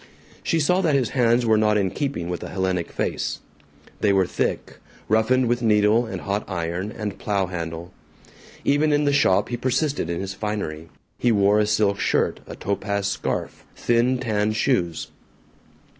She saw that his hands were not in keeping with a Hellenic face. They were thick, roughened with needle and hot iron and plow handle. Even in the shop he persisted in his finery. He wore a silk shirt, a topaz scarf, thin tan shoes.